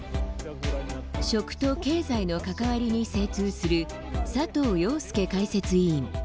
食と経済の関わりに精通する佐藤庸介解説委員。